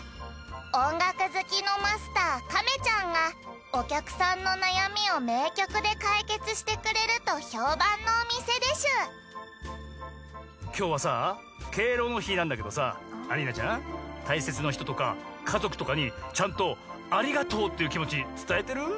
おんがくずきのマスター亀ちゃんがおきゃくさんのなやみをめいきょくでかいけつしてくれるとひょうばんのおみせでしゅきょうはさ敬老の日なんだけどさアリーナちゃん大切なひととかかぞくとかにちゃんと「ありがとう」っていう気持ち伝えてる？